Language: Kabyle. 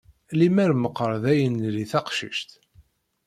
Lemmer meqqar d ay nli taqcict!